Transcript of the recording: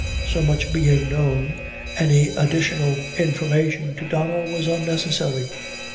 So much being known, any additional information to Donnel was unnecessary.